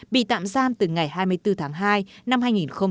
bị tạm giam từ ngày hai mươi bốn tháng hai năm hai nghìn hai mươi